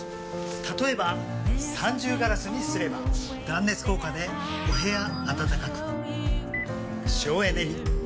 例えば三重ガラスにすれば断熱効果でお部屋暖かく省エネに。